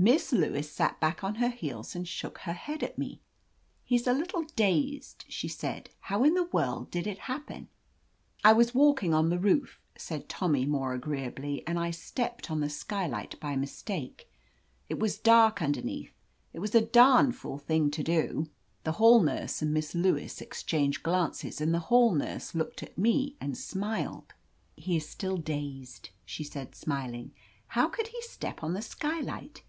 Miss Lewis sat back on her heels and shook her head at me. "He's a little dazed," she said. "How in the world did it happen ?" "I was walking on the roof," said Tommy more agreeably, "and I stepped on the skylight by mistake. It was dark underneath. It was a dam fool thing to do !" The hall nurse and Miss Lewis exchanged 70 OF LETITIA CARBERRY glances, and the hall nurse looked at me and smiled. "He is still dazed/* she said, smiling. "How could he step on the skylight